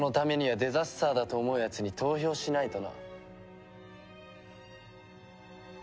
デザスターだと思うやつに投票しないとな。